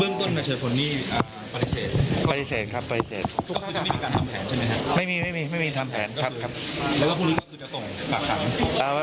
แล้วพูดงึ่งก็คือจะต้องปากขาว